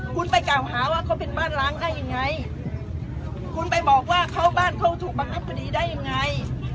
คุณไปกล่าวหาว่าเขาเป็นบ้านล้างได้ยังไงคุณไปบอกว่าเขาบ้านเขาถูกบังคับคดีได้ยังไง